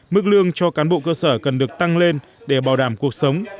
mức lương cho cán bộ cơ sở cần được tăng lên để bảo đảm cuộc sống